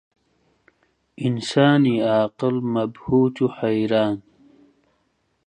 ئینسانی عاقڵ مەبهووت و حەیران